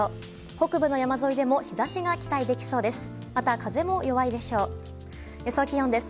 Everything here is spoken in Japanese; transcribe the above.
北部の山沿いでも日差しが期待できそうです。